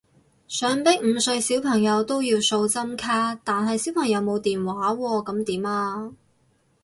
想逼五歲小朋友都要掃針卡，但係小朋友冇電話喎噉點啊？